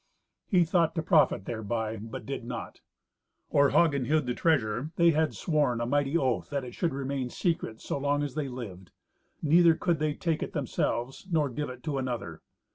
He thought to profit thereby, but did not. Or Hagen hid the treasure, they had sworn a mighty oath that it should remain a secret so long as they lived. Neither could they take it themselves nor give it to another.